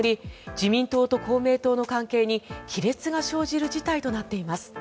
自民党と公明党の関係に亀裂が生じる事態となっています。